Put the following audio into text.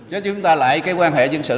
cho chúng ta lại cái quan hệ dân sự